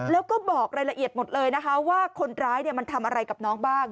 แล้วก็บอกรายละเอียดหมดเลยนะคะว่าคนร้ายมันทำอะไรกับน้องบ้าง